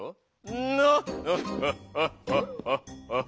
ナーッハッハッハッハッハ。